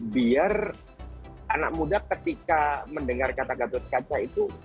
biar anak muda ketika mendengar kata gatot kaca itu